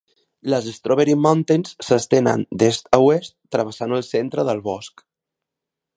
Les Strawberry Mountains s'estenen d'est a oest travessant el centre del bosc.